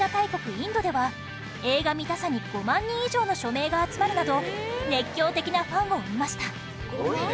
インドでは映画見たさに５万人以上の署名が集まるなど熱狂的なファンを生みました伊達：すごいね！